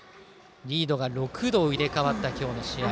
リードが６度入れ替わった今日の試合。